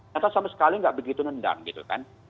ternyata sama sekali nggak begitu nendang gitu kan